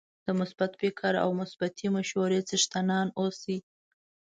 د مثبت فکر او مثبتې مشورې څښتنان اوسئ